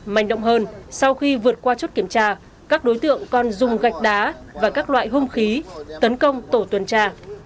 mạnh động hơn sau khi vượt qua chốt kiểm tra các đối tượng còn dùng gạch đá và các loại hung khí tấn công tổ tuần tra